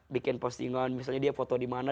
bikin postingan misalnya dia foto di mana